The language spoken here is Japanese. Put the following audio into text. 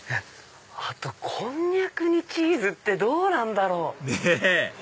こんにゃくにチーズってどうなんだろう？ねぇ！